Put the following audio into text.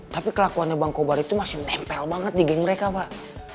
tapi kelakuannya bang kobar itu masih nempel banget di ging mereka pak